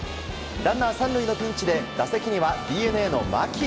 ランナー３塁のピンチで打席には牧。